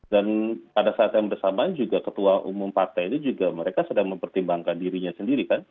pada saat yang bersamaan juga ketua umum partai ini juga mereka sedang mempertimbangkan dirinya sendiri kan